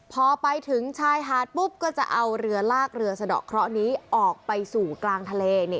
พอไปถึงชายหาดปุ๊บก็จะเอาเรือลากเรือสะดอกเคราะห์นี้ออกไปสู่กลางทะเล